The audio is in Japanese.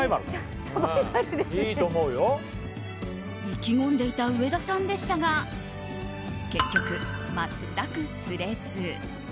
意気込んでいた上田さんでしたが結局、全く釣れず。